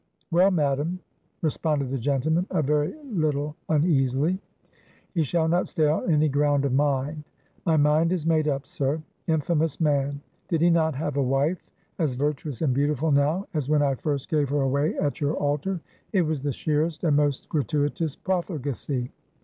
"Well, Madam," responded the gentleman, a very little uneasily. "He shall not stay on any ground of mine; my mind is made up, sir. Infamous man! did he not have a wife as virtuous and beautiful now, as when I first gave her away at your altar? It was the sheerest and most gratuitous profligacy."